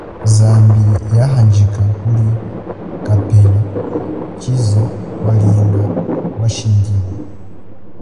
Zambi ya handjika kuli kapela, chize walinga washingiwa.